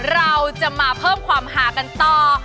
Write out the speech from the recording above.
เราจะมาเพิ่มความหากันต่อ